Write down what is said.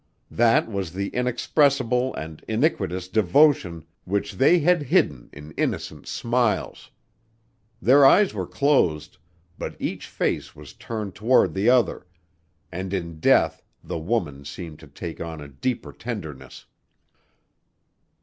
That was the inexpressible and iniquitous devotion which they had hidden in innocent smiles! Their eyes were closed, but each face was turned toward the other, and in death the woman's seemed to take on a deeper tenderness.